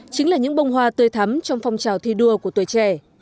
chính là những bông hoa tươi thắm trong phong trào thi đua của tuổi trẻ